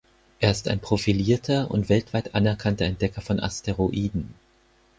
Er ist ein profilierter und weltweit anerkannter Entdecker von Asteroiden.